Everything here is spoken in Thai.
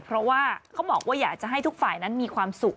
เพราะว่าเขาบอกว่าอยากจะให้ทุกฝ่ายนั้นมีความสุข